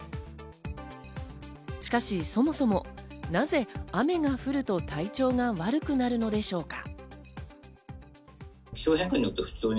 しかし、そもそもなぜ雨が降ると体調が悪くなるのでしょうか。